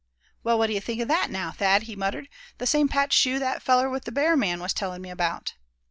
"Well, what d'ye think of that, now, Thad?" he muttered; "the same patched shoe that feller with the bear man was tellin' me about.